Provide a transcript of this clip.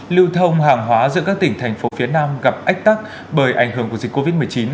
lưu thông hàng hóa giữa các tỉnh thành phố phía nam gặp ách tắc bởi ảnh hưởng của dịch covid một mươi chín